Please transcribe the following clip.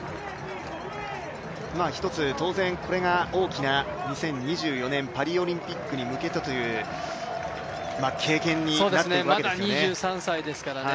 １つ、当然これが大きな２０２４年パリオリンピックに向けてという経験になっていくわけですね。